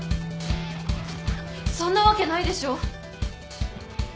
そんなわけないでしょ！